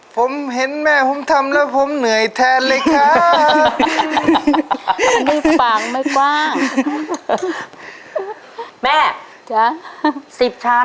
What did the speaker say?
ผมเห็นแม่ผมทำแล้วผมเหนื่อยแทนเลยครับ